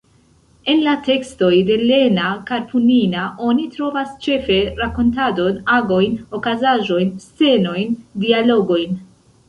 En la tekstoj de Lena Karpunina oni trovas ĉefe rakontadon, agojn, okazaĵojn, scenojn, dialogojn.